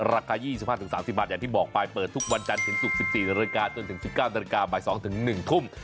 ราคา๒๕๓๐บาทอย่างที่บอกไปเปิดทุกวันจันทร์ถึงศุกร์๑๔นาฬิกาจนถึง๑๙นาฬิกาบ่าย๒ถึง๑ทุ่ม